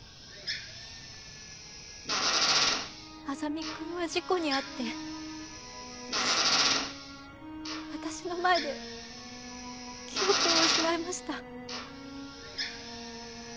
莇君は事故に遭って私の前で記憶を失いました。